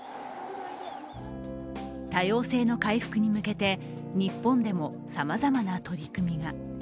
多様性の回復に向けて日本でもさまざまな取り組みが。